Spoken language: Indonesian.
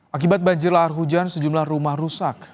akibat banjir lahar hujan sejumlah rumah rusak